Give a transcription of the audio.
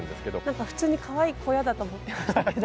何か普通にかわいい小屋だと思ってましたけど。